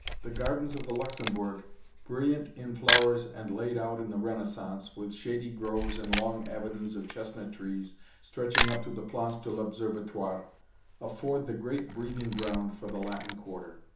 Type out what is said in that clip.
The gardens of the Luxembourg, brilliant in flowers and laid out in the Renaissance, with shady groves and long avenues of chestnut trees stretching up to the Place de l'Observatoire, afford the great breathing ground for the Latin Quarter.